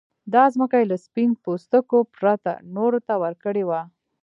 دا ځمکه يې له سپين پوستو پرته نورو ته ورکړې وه.